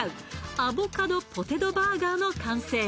アボカドポテトバーガーの完成